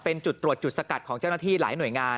เป็นจุดตรวจจุดสกัดของเจ้าหน้าที่หลายหน่วยงาน